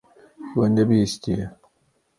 We nebihîstiye.